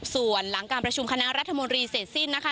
ส่วนหลังการประชุมคณะรัฐมนตรีเสร็จสิ้นนะคะ